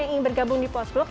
yang ingin bergabung di post blok